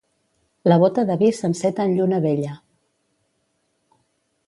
La bota de vi s'enceta en lluna vella.